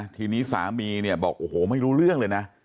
ทีนี้สามีเนี่ยบอกโอ้โหไม่รู้เรื่องเลยนะ